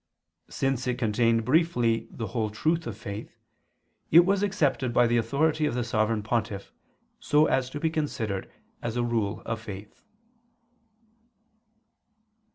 Since it contained briefly the whole truth of faith, it was accepted by the authority of the Sovereign Pontiff, so as to be considered as a rule of faith.